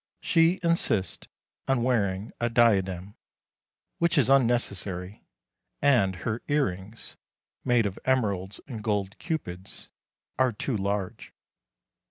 She insists on wearing a diadem which is unnecessary; and her earrings made of emeralds and gold cupids are too large.